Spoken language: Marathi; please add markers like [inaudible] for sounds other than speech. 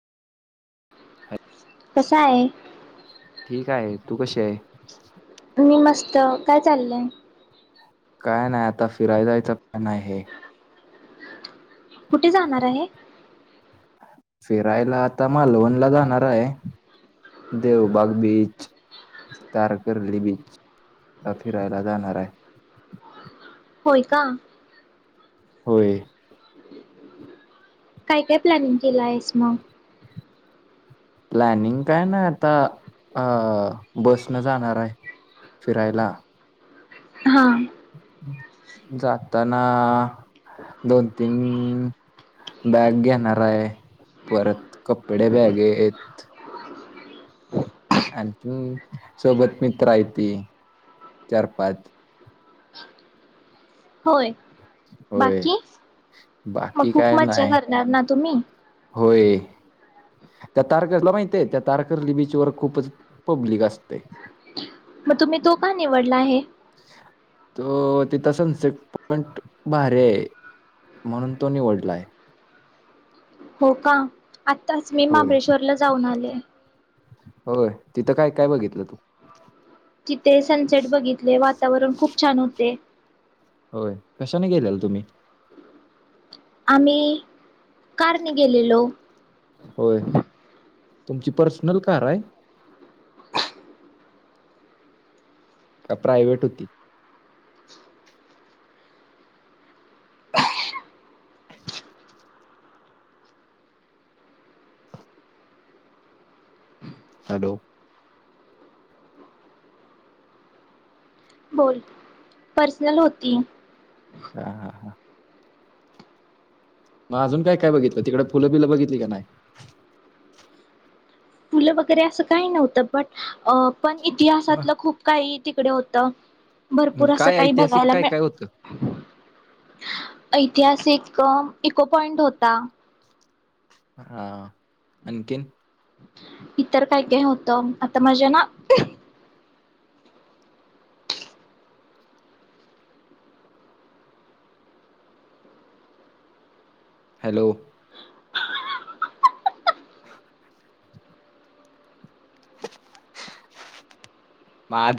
कसा आहे? ठीक आहे तू कशी आहे? मी मस्त. काय चाललंय आहे? काय नाही आता फिराय जायच प्लॅन आहे. कुठे जाणार आहे? फिरायला आता मालवणला जाणार आहे. देवबाग बीच, तारकर्ली बीचला फिरायला जाणार आहे. होय का. होय. काय काय प्लॅनिंग केलं आहेस मग? प्लॅनिंग काय नाय आता अह बसन जाणार आहे फिरायला. हा. जाताना दोन तीन बॅग घेणार आहे. परत कपडे बॅगेत आणखी सोबत मित्र आहे ती चार पाच होय. होय बाकी, मग बाकी खूप काय मज्जा नाही करणार ना तुम्ही? होय त्या तारकर्लीला माहितय त्या तारकर्ली बीचवर खूपच पब्लिक असते. मग तुम्ही तो का निवडला आहे? तो तिथं सनसेट पॉइंट भारी आहे म्हणून तो निवडलाय. हो का? आत्ताच मी होय महाबळेश्वरला जाऊन आले. [inaudible] होय तिथं काय काय बघितलं तू? तिथे सनसेट बघितले वा वातावरण खूप छान होते. बरं कशाने गेलेला तुम्ही? आम्ही कारने गेलेलो. होय तुमची पर्सनल कार आहे? का प्रायव्हेट होती. हॅलो. बोल, पर्सनल होती. हा हा हा. मग अजून काय काय बघितलं? तिकड फुलं बिलं बघितली का नाय? फुलं वगैरे असं काही नव्हतं बट अह पण इतिहासातलं खूप काही तिकडे होत मग भरपूर असं काय काही ऐतिहासिक बघायला काय काय होतं? मिळ ऐतिहासिक इको पॉइंट होता हा आणखीन इतर काय काय होतं आता माझ्या ना हॅलो [inaudible] माझ